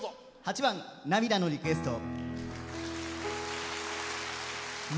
８番「涙のリクエスト」。